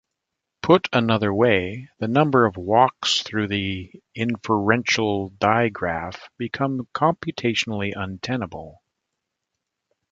Put another way, the number of "walks" through the inferential digraph became computationally untenable.